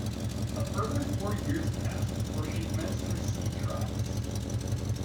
A further four years passed before she commenced her sea trials.